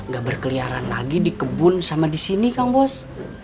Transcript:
gak berkeliaran lagi di kebun sama disini kang bos